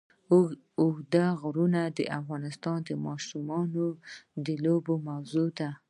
اوږده غرونه د افغان ماشومانو د لوبو موضوع ده.